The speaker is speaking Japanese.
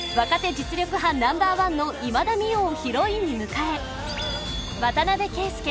実力派ナンバーワンの今田美桜をヒロインに迎え渡邊圭祐